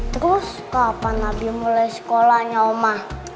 terus kapan abdi mulai sekolahnya oma